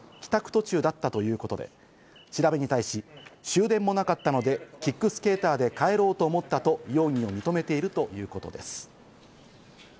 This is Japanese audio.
途中だったということで、調べに対し、終電もなかったのでキックスケーターで帰ろうと思ったと容疑を認めているということです。